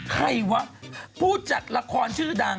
ใครวะผู้จัดละครชื่อดัง